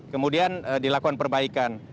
kemudian dilakukan perbaikan